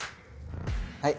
はい。